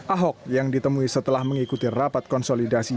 ahok yang ditemui setelah mengikuti rapat konsolidasi